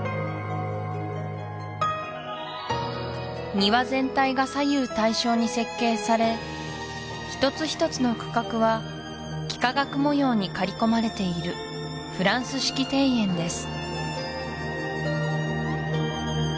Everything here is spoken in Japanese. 庭全体が左右対称に設計され一つ一つの区画は幾何学模様に刈り込まれているフランス式庭園です